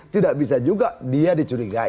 tidak bisa juga dia dicurigai